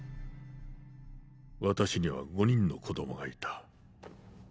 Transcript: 私には５人の子供がいた。